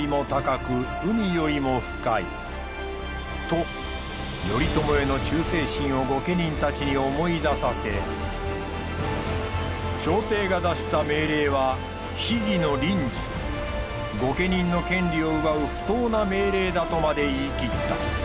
と頼朝への忠誠心を御家人たちに思い出させ朝廷が出した命令は非義の綸旨御家人の権利を奪う不当な命令だとまで言い切った。